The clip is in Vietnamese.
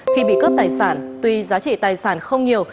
khi bị cướp tài sản tuy giá trị tài sản không nhiều